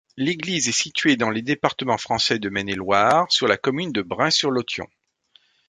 L'église est située dans le département français de Maine-et-Loire, sur la commune de Brain-sur-l'Authion.